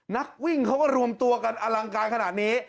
นักวิ่งเขาก็รวมตัวกันอลังการขนาดนี้